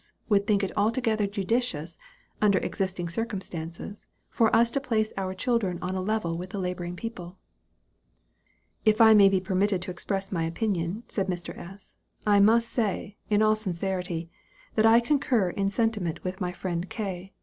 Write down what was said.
would think it altogether judicious, under existing circumstances, for us to place our children on a level with the laboring people." "If I may be permitted to express my opinion," said Mr. S. "I must say, in all sincerity, that I concur in sentiment with my friend K.